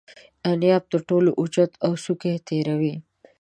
انیاب تر ټولو اوچت او څوکه یې تیره وي.